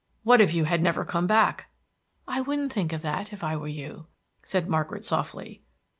"What if you had never come back?" "I wouldn't think of that if I were you," said Margaret softly.